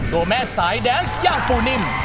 ตัวแม่สายแดนส์อย่างปูนิ่ม